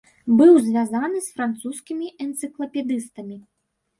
Быў звязаны з французскімі энцыклапедыстамі.